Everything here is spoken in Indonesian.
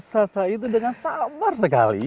sasa itu dengan sabar sekali